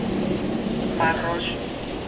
Farrosh